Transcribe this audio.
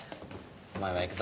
お前は行くぞ。